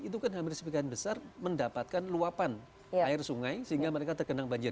itu kan hampir sebagian besar mendapatkan luapan air sungai sehingga mereka tergenang banjir